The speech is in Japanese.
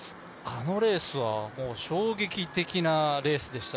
あのレースは衝撃的なレースでした。